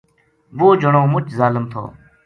وہ جنو مچ ظالم تھو